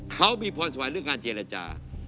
เขามีพรสวรรค์เรื่องการเจรจา